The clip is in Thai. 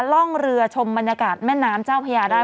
ร่องเรือชมบรรยากาศแม่น้ำเจ้าพญาได้